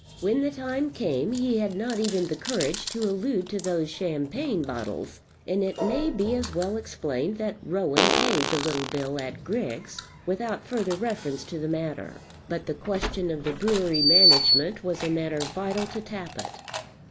When the time came he had not even the courage to allude to those champagne bottles; and it may be as well explained that Rowan paid the little bill at Griggs's, without further reference to the matter. But the question of the brewery management was a matter vital to Tappitt.